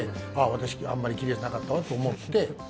私、あんまり奇麗じゃなかったわと思って。